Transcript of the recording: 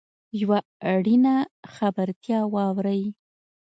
یوه اړینه خبرتیا واورﺉ .